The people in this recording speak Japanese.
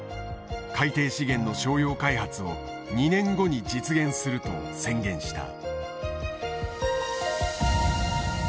海底資源の商用開発を２年後に実現すると宣言した。